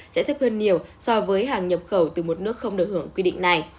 sẽ thấp hơn nhiều so với hàng nhập khẩu từ một nước không được hưởng quy định này